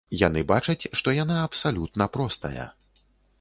Яны бачаць, што яна абсалютна простая.